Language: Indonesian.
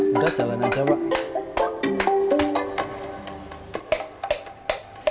sudah jalan aja pak